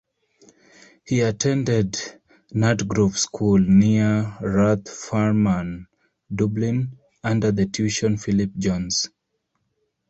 He attended Nutgrove School, near Rathfarnham, Dublin under the tuition Philip Jones.